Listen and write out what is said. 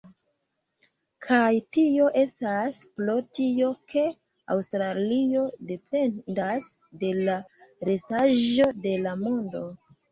Kaj tio estas pro tio, ke Aŭstralio dependas de la restaĵo de la mondo.